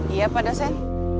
iya pak desen